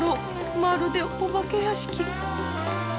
まるでお化け屋敷。